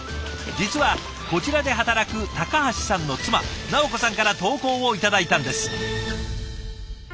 実はこちらで働く高橋さんの妻尚子さんから投稿を頂いたんです。